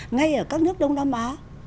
ngay ở các nước đông nam á